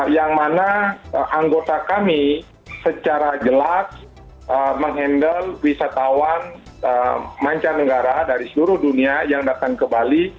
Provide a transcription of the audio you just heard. yang mana anggota kami secara jelas menghandle wisatawan mancanegara dari seluruh dunia yang datang ke bali